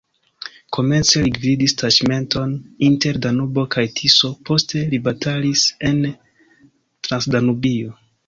Komence li gvidis taĉmenton inter Danubo kaj Tiso, poste li batalis en Transdanubio.